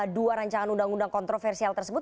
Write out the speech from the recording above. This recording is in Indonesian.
dua rancangan undang undang kontroversial tersebut